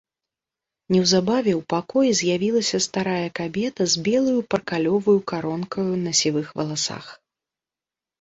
Неўзабаве ў пакоі з'явілася старая кабета з белаю паркалёваю каронкаю на сівых валасах.